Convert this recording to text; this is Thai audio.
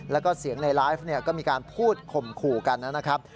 แล้วก็เสียงในไลฟ์ก็มีการพูดข่มขู่กันนะครับ